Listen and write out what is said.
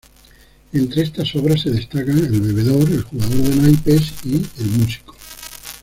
Entre estas obras se destacan "El bebedor", "El jugador de naipes" y "El músico".